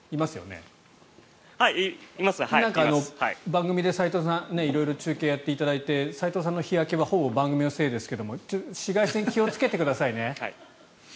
番組で齋藤さん色々と中継をやっていただいて齋藤さんの日焼けはほぼ番組のせいですが紫外線、気をつけてくださいね。